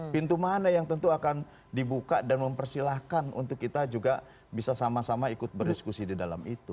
pintu mana yang tentu akan dibuka dan mempersilahkan untuk kita juga bisa sama sama ikut berdiskusi di dalam itu